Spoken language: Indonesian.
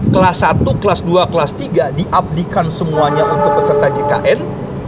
kelas satu kelas dua kelas tiga diabdikan semuanya untuk peserta jkn